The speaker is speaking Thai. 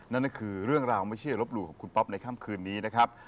นั่นก็คือเรื่องราวไม่เชื่อลบหลู่ของคุณป๊อปในค่ำคืนนี้นะครับ